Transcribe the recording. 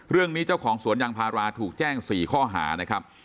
เรื่องนี้เจ้าของสวนยังภาราถูกแจ้ง๔ข้อหานะครับ